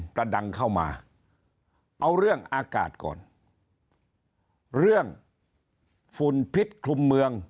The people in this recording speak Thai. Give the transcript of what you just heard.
ประดังเข้ามาเอาเรื่องอากาศก่อนเรื่องฝุ่นพิษคลุมเมือง